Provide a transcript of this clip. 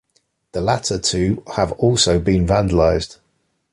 The latter two have also been vandalised.